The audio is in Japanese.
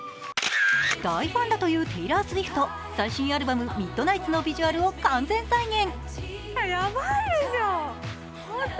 大ファンだというテイラー・スウィフト最新アルバム「ミッドナイツ」のビジュアルを完全再現。